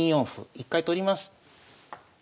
一回取ります。